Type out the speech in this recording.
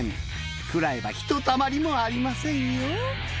食らえばひとたまりもありませんよ。